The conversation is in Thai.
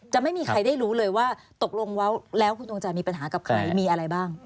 ไม่มีใครได้รู้เลยว่าตกลงแล้วคุณดวงใจมีปัญหากับใครมีอะไรบ้าง